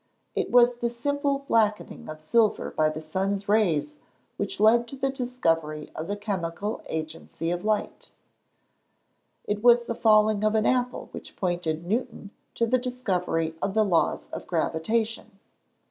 It was the simple blackening of silver by the sun's rays which led to the discovery of the chemical agency of light. It was the falling of an apple which pointed Newton to the discovery of the laws of gravitation.